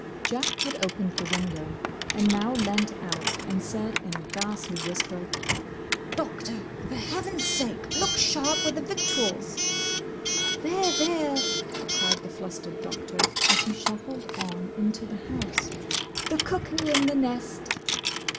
'" Jack had opened the window and now leant out and said in a ghastly whisper, "Doctor!—For Heaven's sake look sharp with the victuals!" "There, there!" cried the flustered Doctor, as he shuffled on into the house, "the cuckoo in the nest!"